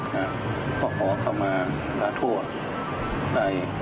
และขอขมาราโทษได้